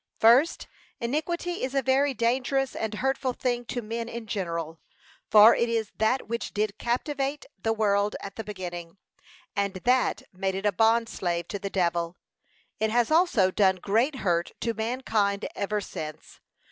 First, Iniquity is a very dangerous and hurtful thing to men in general; for it is that which did captivate the world at the beginning, and that made it a bond slave to the devil. It has also done great hurt to mankind ever since.